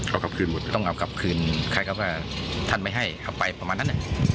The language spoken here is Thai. เอากลับคืนหมดต้องเอากลับคืนใครเขาว่าท่านไม่ให้เอาไปประมาณนั้นเนี่ย